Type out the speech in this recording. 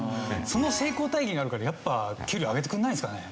その成功体験があるからやっぱ給料上げてくれないんですかね？